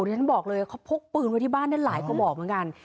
ถึงบอกเลยเขาพกปืนไว้บ้านนะหลายกระบอกเหมือนกัน